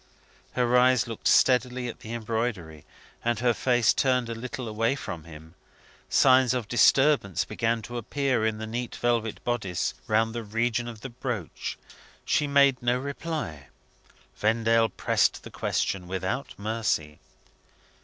Her eyes looked stedfastly at the embroidery, and her face turned a little away from him. Signs of disturbance began to appear in her neat velvet bodice, round the region of the brooch. She made no reply. Vendale pressed the question without mercy.